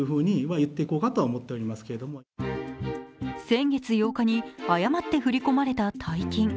先月８日に誤って振り込まれた大金。